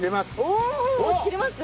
お切れます？